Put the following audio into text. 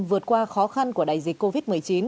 vượt qua khó khăn của đại dịch covid một mươi chín